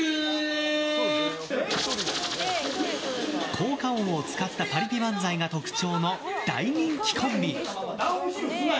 効果音を使ったパリピ漫才が特徴の大人気コンビ。